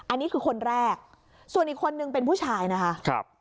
อันนี้คือคนแรกส่วนอีกคนนึงเป็นผู้ชายนะคะครับ